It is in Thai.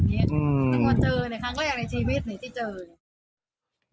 นึกว่าเจอในครั้งแรกในชีวิตที่เจอ